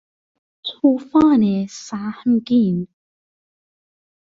توفان سهمگین